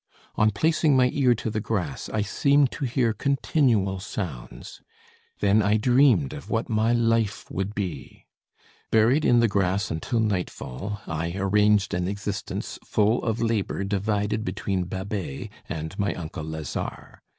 On placing my ear to the grass I seemed to hear continual sounds. Then I dreamed of what my life would be. Buried in the grass until nightfall, I arranged an existence full of labour divided between Babet and my uncle Lazare.